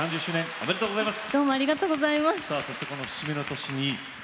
ありがとうございます。